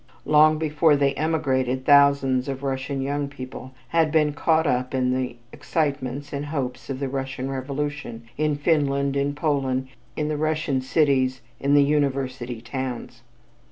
Long before they emigrated, thousands of Russian young people had been caught up into the excitements and hopes of the Russian revolution in Finland, in Poland, in the Russian cities, in the university towns.